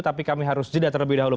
tapi kami harus jeda terlebih dahulu